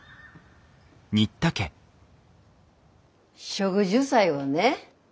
植樹祭をね